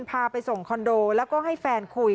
พาไปส่งคอนโดแล้วก็ให้แฟนคุย